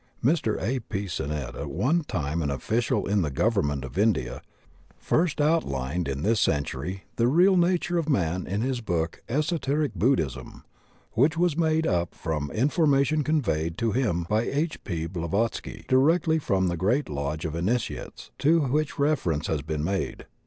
Mr. A. P. Sinnett, at one time an official in the Government of India, "^ first outlined in this century the real nature of man in his book Esoteric Buddhism, which was made up from information conveyed to him by H. P. Blavatsky directly from the Great Lodge of Initiates to which reference has been made.